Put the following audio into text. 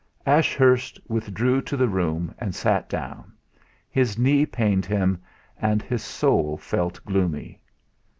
Ashurst withdrew into the room and sat down; his knee pained him, and his soul felt gloomy.